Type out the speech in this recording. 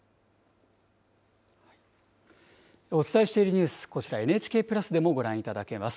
お伝えしているニュース、こちら、ＮＨＫプラスでもご覧いただけます。